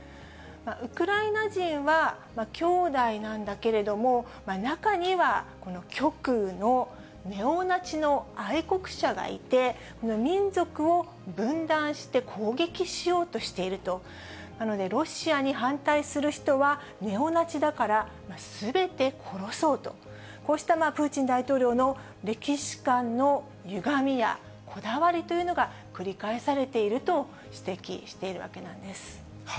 ウクライナ人は、兄弟なんだけれども、中には極右のネオナチの愛国者がいて、民族を分断して攻撃しようとしていると、なのでロシアに反対する人はネオナチだから、すべて殺そうと、こうしたプーチン大統領の歴史観のゆがみや、こだわりというのが繰り返されていると指摘しているわけなんです。